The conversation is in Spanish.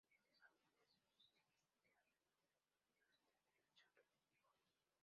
Este jardín de sosiego gira alrededor de un motivo central la charca de Koi.